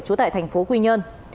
chú tại thành phố quy nhơn